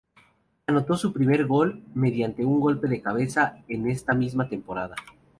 Anotó su primer gol mediante un golpe de cabeza en esta misma temporada.